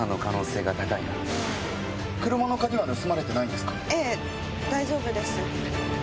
そしてええ大丈夫です。